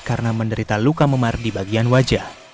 karena menderita luka memar di bagian wajah